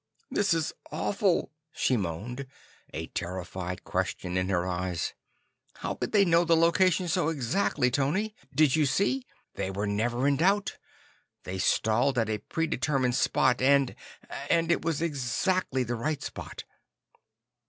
"This is awful," she moaned, a terrified question in her eyes. "How could they know the location so exactly, Tony? Did you see? They were never in doubt. They stalled at a predetermined spot and and it was exactly the right spot."